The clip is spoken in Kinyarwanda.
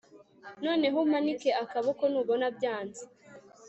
noneho umanike akaboko nubona byanze